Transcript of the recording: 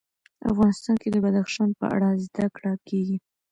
افغانستان کې د بدخشان په اړه زده کړه کېږي.